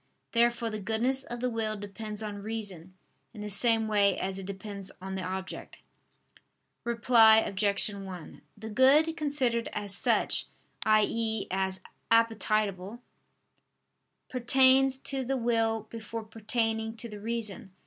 Therefore the goodness of the will depends on reason, in the same way as it depends on the object. Reply Obj. 1: The good considered as such, i.e. as appetible, pertains to the will before pertaining to the reason.